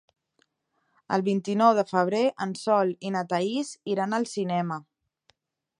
El vint-i-nou de febrer en Sol i na Thaís iran al cinema.